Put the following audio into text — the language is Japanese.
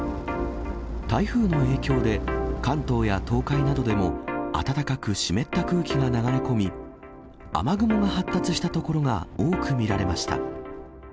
台風の影響で、関東や東海などでも、暖かく湿った空気が流れ込み、雨雲が発達した所が多く見られました。